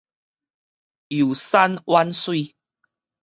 遊山玩水